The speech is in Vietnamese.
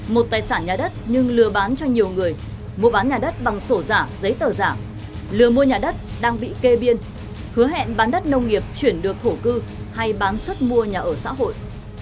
một tài sản nhà đất nhưng lừa bán cho nhiều người mua bán nhà đất bằng sổ giả giấy tờ giả lừa mua nhà đất đang bị kê biên hứa hẹn bán đất nông nghiệp chuyển được thổ cư hay bán xuất mua nhà ở xã hội